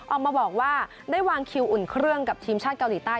ออกมาบอกว่าได้วางคิวอุ่นเครื่องกับทีมชาติเกาหลีใต้